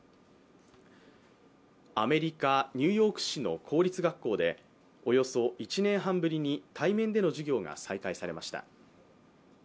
アメリカ・ニューヨーク市の公立学校で、およそ１年半ぶりに対面での授業が再開されました。